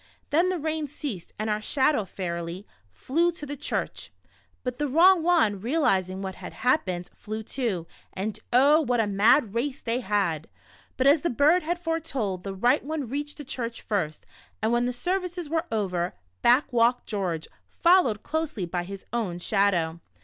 Then the rain ceased and our Shadow fairly flew to the church. But the wrong one, real izing what had happened, flew too, and oh, w^hat a mad race they had. But as the bird had foretold, the right one reached the church first, and when the services were over, back walked George, fol lowed closely by his own Shadow.